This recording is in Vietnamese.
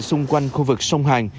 xung quanh khu vực sông hàn